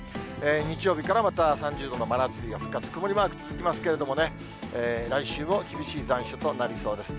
日曜日からまた３０度の真夏日が復活、曇りマーク続きますけれどもね、来週も厳しい残暑となりそうです。